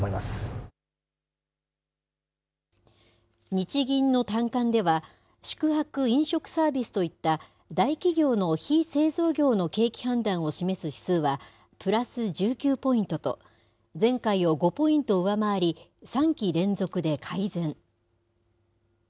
日銀の短観では、宿泊・飲食サービスといった、大企業の非製造業の景気判断を示す指数は、プラス１９ポイントと、前回を５ポイント上回り、３期連続で改善。